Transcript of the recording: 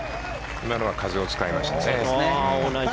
今のは風を使いましたね。